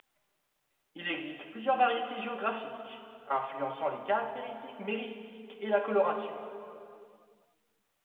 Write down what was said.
Il existe plusieurs variétés géographiques, influençant les caractéristiques méristiques et la coloration.